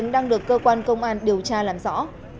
đoàn công an điều tra làm rõ